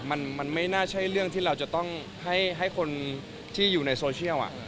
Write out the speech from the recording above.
มันไม่น่าใช่เรื่องที่เราจะต้องให้คนที่อยู่ในโซเชียล